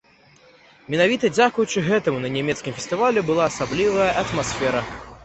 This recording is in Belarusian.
Менавіта дзякуючы гэтаму на нямецкім фестывалі была асаблівая атмасфера.